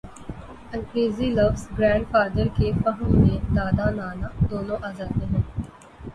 انگریزی لفظ grand father کے فہم میں دادا، نانا دونوں آ جاتے ہیں۔